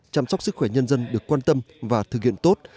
chăm sóc sức khỏe nhân dân được quan tâm và thực hiện tốt